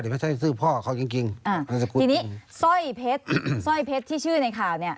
แต่ไม่ใช่ชื่อพ่อเขาจริงจริงอ่านามสกุลทีนี้สร้อยเพชรสร้อยเพชรที่ชื่อในข่าวเนี้ย